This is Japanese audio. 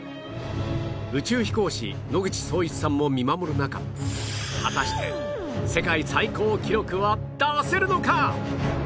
宇宙飛行士野口聡一さんも見守る中果たして世界最高記録は出せるのか？